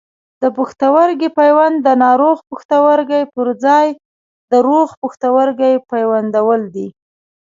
د پښتورګي پیوند د ناروغ پښتورګي پر ځای د روغ پښتورګي پیوندول دي.